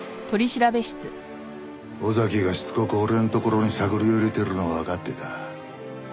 尾崎がしつこく俺のところに探りを入れてるのはわかってた。